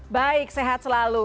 baik sehat selalu